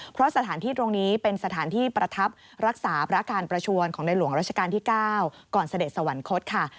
เพราะสถานที่ตรงนี้เป็นสถานที่ประทับรักษาพระการประชวนของในหลวงราชการที่๙ก่อนเสด็จสวรรคตค่ะ